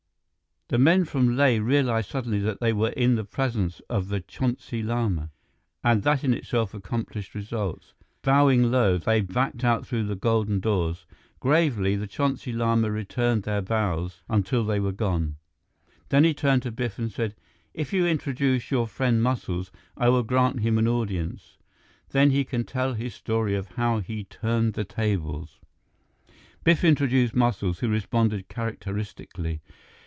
The men from Leh realized suddenly that they were in the presence of the Chonsi Lama, and that in itself accomplished results. Bowing low, they backed out through the golden doors. Gravely, the Chonsi Lama returned their bows until they were gone. Then he turned to Biff and said, "If you introduce your friend Muscles, I will grant him an audience. Then he can tell his story of how he turned the tables." Biff introduced Muscles, who responded characteristically.